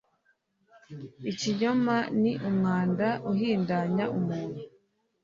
ikinyoma ni umwanda uhindanya umuntu